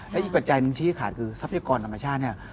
และอีกปัจจัยหนึ่งชี้ขาดคือทรัพยากรธรรมชาติเนี่ย